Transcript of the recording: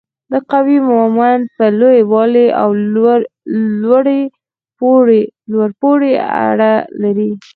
د قوې مومنت په لوی والي او لوري پورې اړه لري.